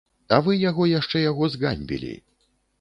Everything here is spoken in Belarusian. А вы яго яшчэ яго зганьбілі.